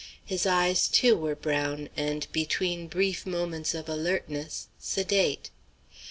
His eyes, too, were brown, and, between brief moments of alertness, sedate.